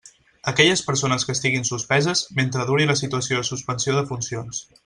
Aquelles persones que estiguin suspeses, mentre duri la situació de suspensió de funcions.